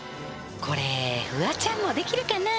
これフワちゃんもできるかな？